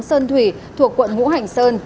sơn thủy thuộc quận ngũ hành sơn